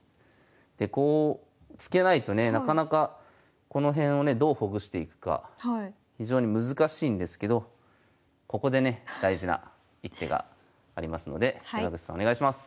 でこう突けないとねなかなかこの辺をねどうほぐしていくか非常に難しいんですけどここでね大事な一手がありますので山口さんお願いします。